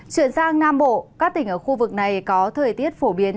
chuyển sang nam bộ các tỉnh ở khu vực này có thời tiết phổ biến